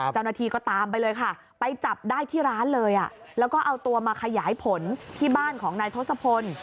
เจ้าหน้าที่ก็ตามไปเลยค่ะไปจับได้ที่ร้านเลยแล้วก็เอาตัวมาขยายผลที่บ้านของนายทศพล